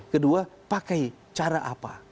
kedua pakai cara apa